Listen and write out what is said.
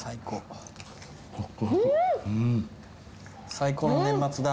最高の年末だ。